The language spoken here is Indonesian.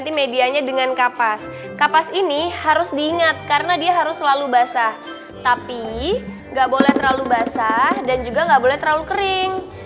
tapi gak boleh terlalu basah dan juga gak boleh terlalu kering